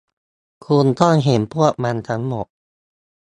คุณต้องเห็นพวกมันทั้งหมด